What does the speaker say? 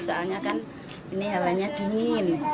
soalnya kan ini hewannya dingin